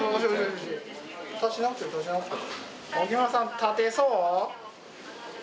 立てそう？